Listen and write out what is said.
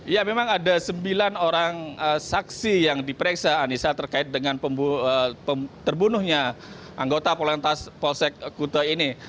ya memang ada sembilan orang saksi yang diperiksa anissa terkait dengan terbunuhnya anggota polantas polsek kuta ini